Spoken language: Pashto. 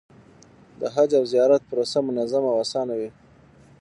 د حج او زیارت پروسه منظمه او اسانه وي.